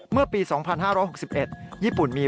เมื่อปี๒๕๖๑ญี่ปุ่นมี